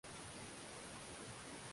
kwa hiyo ni lazima uchumi ireland ufanikiwe